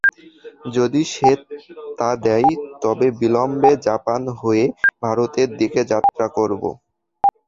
যদি সে তা দেয়, তবে অবিলম্বে জাপান হয়ে ভারতের দিকে যাত্রা করব।